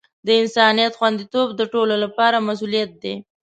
د انسانیت خوندیتوب د ټولو لپاره مسؤولیت دی.